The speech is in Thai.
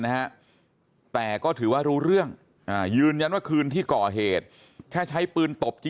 นะฮะแต่ก็ถือว่ารู้เรื่องอ่ายืนยันว่าคืนที่ก่อเหตุแค่ใช้ปืนตบจริง